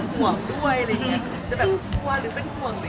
มันห่วงด้วยอะไรอย่างงี้